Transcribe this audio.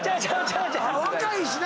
若いしな！